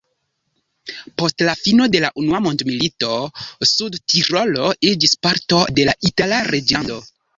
Post la fino de la unua mondmilito Sudtirolo iĝis parto de la Itala reĝlando.